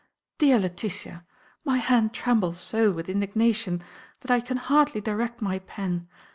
DEAR LETITIA,—My hand trembles so with indignation that I can hardly direct my pen.